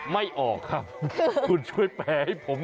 ไม่ออกครับคุณช่วยแปลให้ผม